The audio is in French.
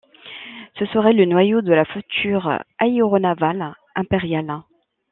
Ce sera le noyau de la future Aéronavale impériale.